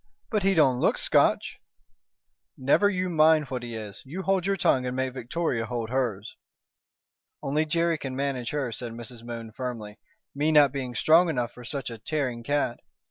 "But he don't look Scotch." "Never you mind what he is. You hold your tongue and make Victoria hold hers." "Only Jerry can manage her," said Mrs. Moon, firmly, "me not being strong enough for such a tearing cat.